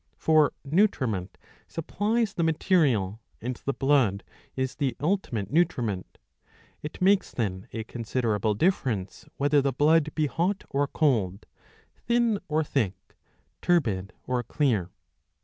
For nutriment supplies the material, and the blood is the ultimate nutriment. It makes then a considerable difference whether the blood be hot or cold, thin or thick, turbid or clear.